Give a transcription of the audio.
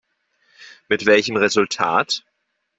Mit welchem Resultat?